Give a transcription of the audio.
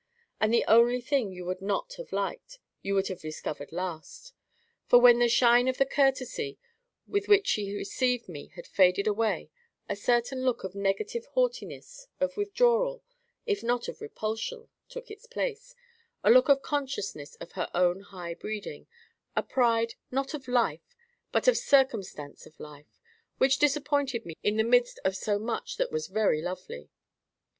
And the only thing you would not have liked, you would have discovered last. For when the shine of the courtesy with which she received me had faded away a certain look of negative haughtiness, of withdrawal, if not of repulsion, took its place, a look of consciousness of her own high breeding—a pride, not of life, but of circumstance of life, which disappointed me in the midst of so much that was very lovely.